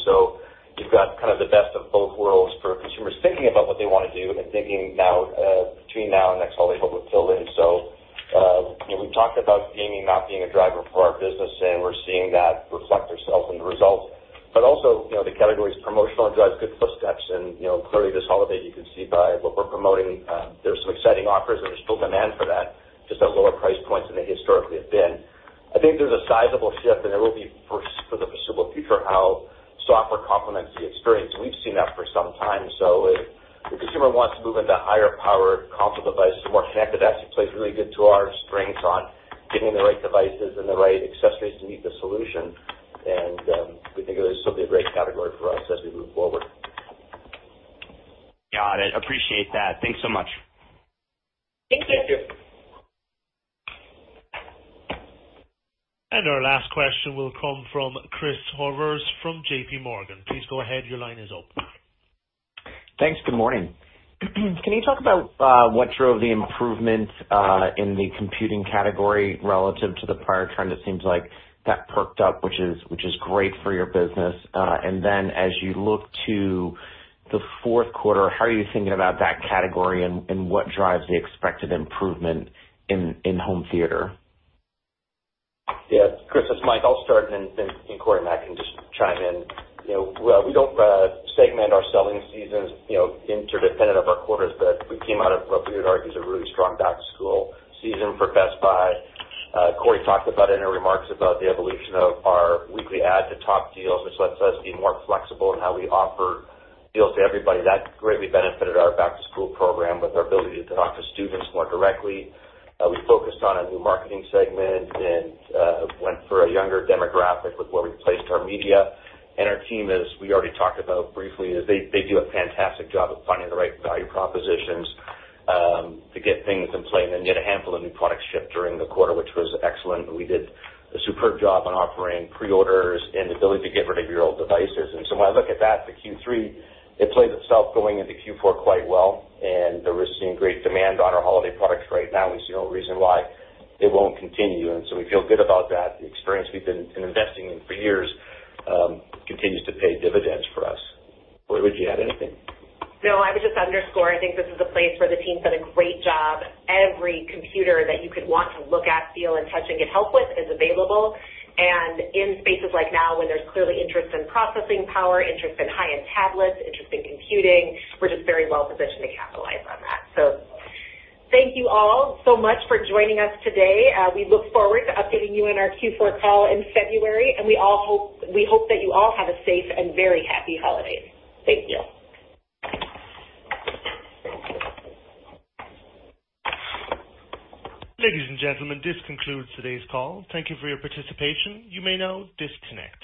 You've got the best of both worlds for consumers thinking about what they want to do and thinking between now and next holiday what would fill in. We've talked about gaming not being a driver for our business, and we're seeing that reflect ourselves in the results, but also the category's promotional drives good footsteps and clearly this holiday you can see by what we're promoting, there's some exciting offers and there's still demand for that, just at lower price points than they historically have been. I think there's a sizable shift and there will be for the foreseeable future how software complements the experience, and we've seen that for some time. If the consumer wants to move into higher-powered console devices, the more connected asset plays really good to our strengths on getting the right devices and the right accessories to meet the solution and we think it'll still be a great category for us as we move forward. Got it. Appreciate that. Thanks so much. Thank you. Thank you. Our last question will come from Chris Horvers from JP Morgan. Please go ahead, your line is open. Thanks. Good morning. Can you talk about what drove the improvement in the computing category relative to the prior trend? It seems like that perked up, which is great for your business. As you look to the fourth quarter, how are you thinking about that category and what drives the expected improvement in home theater? Chris, it's Mike. I'll start and then Corie and Matt can just chime in. We don't segment our selling seasons interdependent of our quarters, but we came out of what we would argue is a really strong back-to-school season for Best Buy. Corie talked about it in her remarks about the evolution of our weekly ad to top deals, which lets us be more flexible in how we offer deals to everybody. That greatly benefited our back-to-school program with our ability to talk to students more directly. We focused on a new marketing segment and went for a younger demographic with where we placed our media and our team, as we already talked about briefly, is they do a fantastic job of finding the right value propositions to get things in play and then get a handful of new products shipped during the quarter, which was excellent and we did a superb job on offering pre-orders and the ability to get rid of your old devices. When I look at that for Q3, it played itself going into Q4 quite well, and there we're seeing great demand on our holiday products right now and we see no reason why it won't continue. We feel good about that. The experience we've been investing in for years continues to pay dividends for us. Corie, would you add anything? No, I would just underscore, I think this is a place where the team's done a great job. Every computer that you could want to look at, feel and touch and get help with is available. In spaces like now where there's clearly interest in processing power, interest in high-end tablets, interest in computing, we're just very well positioned to capitalize on that. Thank you all so much for joining us today. We look forward to updating you in our Q4 call in February, and we hope that you all have a safe and very happy holiday. Thank you. Ladies and gentlemen, this concludes today's call. Thank you for your participation. You may now disconnect.